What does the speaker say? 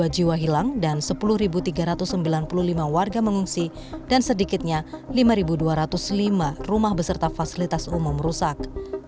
dua puluh dua jiwa hilang dan sepuluh tiga ratus sembilan puluh lima warga mengungsi dan sedikitnya lima dua ratus lima rumah beserta fasilitas umum rusak